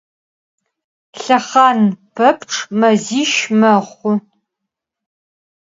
Lhexhane pepçç meziş mexhu.